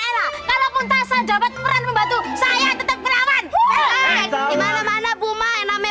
enak kalaupun tasah dapat peran membantu saya tetap berawan mana mana buma ename